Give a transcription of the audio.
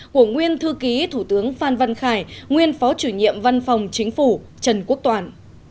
của nguyên thư ký thủ tướng phan văn khải nguyên phó chủ nhiệm văn phòng chính phủ trần quốc toàn